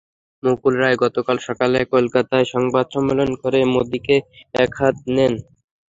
মুকুল রায় গতকাল সকালে কলকাতায় সংবাদ সম্মেলন করে মোদিকে একহাত নেন।